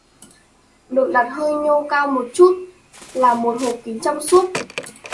Được đặt hơi nhô cao một chút là một hộp kính trong suốt